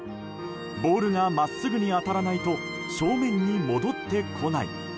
ボールが真っすぐに当たらないと正面に戻ってこない。